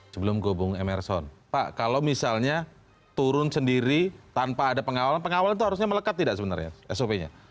sebelum gobung emerson pak kalau misalnya turun sendiri tanpa ada pengawalan pengawalan itu harusnya melekat tidak sebenarnya sop nya